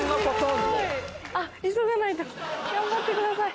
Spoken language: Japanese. あっ急がないと頑張ってください。